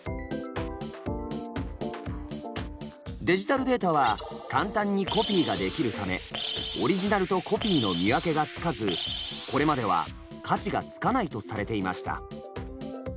デジタルデータは簡単にコピーができるためオリジナルとコピーの見分けがつかずこれまでは価値がつかないとされていました。